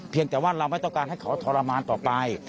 แต่ว่าเราไม่ต้องการให้เขาทรมานต่อไป